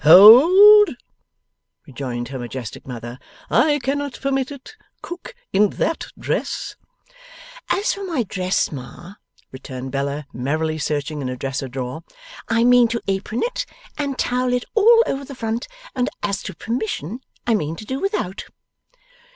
'Hold!' rejoined her majestic mother. 'I cannot permit it. Cook, in that dress!' 'As for my dress, Ma,' returned Bella, merrily searching in a dresser drawer, 'I mean to apron it and towel it all over the front; and as to permission, I mean to do without.